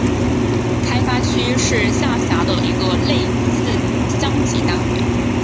开发区是下辖的一个类似乡级单位。